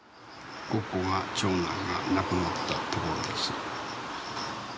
ここが長男が亡くなったところです。